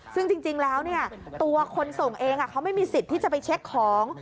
ซึ่งจริงแล้วตัวคนส่งเองเขาไม่มีสิทธิ์ที่จะไปเช็คของ